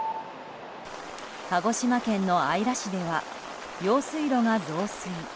鹿児島県の姶良市では用水路が増水。